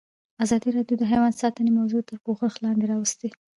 ازادي راډیو د حیوان ساتنه موضوع تر پوښښ لاندې راوستې.